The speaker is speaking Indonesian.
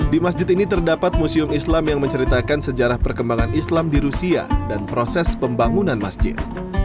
di masjid ini terdapat museum islam yang menceritakan sejarah perkembangan islam di rusia dan proses pembangunan masjid